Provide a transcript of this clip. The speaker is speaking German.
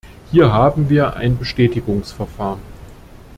Hier haben wir ein Bestätigungsverfahren.